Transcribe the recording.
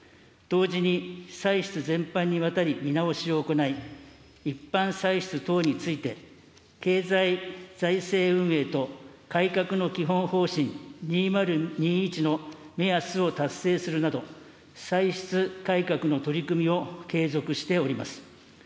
同時に、歳出全般にわたり見直しを行い、一般歳出等について、経済財政運営と改革の基本方針２０２１の目安を達成するなど、歳出改革の取り組みを継続しております。